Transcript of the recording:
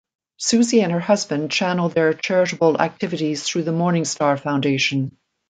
Susie and her husband channel their charitable activities through the Morningstar Foundation.